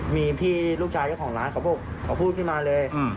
มีพี่ลูกชายของร้านเขาพูดพี่มาเลย